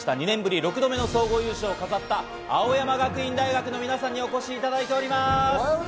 ２年ぶり６度目の総合優勝を飾った、青山学院大学の皆さんにお越しいただいています。